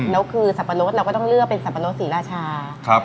แล้วคือสับปะรดเราก็ต้องเลือกเป็นสับปะรดศรีราชา